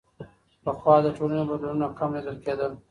پخوا د ټولنې بدلونونه کم لیدل کېدل.